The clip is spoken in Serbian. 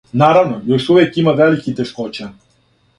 Наравно, још увек има великих тешкоћа.